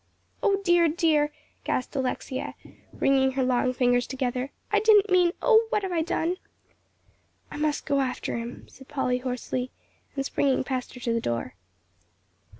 "O dear, dear!" gasped Alexia, wringing her long fingers together, "I didn't mean oh, what have I done?" "I must go after him," said Polly, hoarsely, and springing past her to the door.